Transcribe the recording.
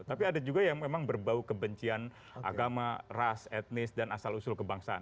tapi ada juga yang memang berbau kebencian agama ras etnis dan asal usul kebangsaan